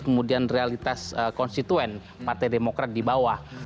kemudian realitas konstituen partai demokrat di bawah